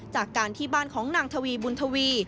จากการที่บ้านของนางทวีบุญทวี